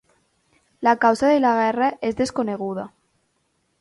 La causa de la guerra és desconeguda.